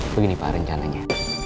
begini pak rencananya